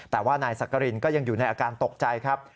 แต่ว่านายสักกรินก็ยังอยู่ในอาการตกใจครับ